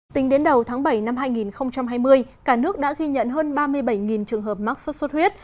tính đến đầu tháng bảy năm hai nghìn hai mươi cả nước đã ghi nhận hơn ba mươi bảy trường hợp mắc sốt xuất huyết